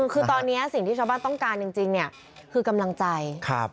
คือตอนนี้สิ่งที่ชาวบ้านต้องการจริงเนี่ยคือกำลังใจ